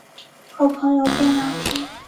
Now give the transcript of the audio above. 和朋友边聊天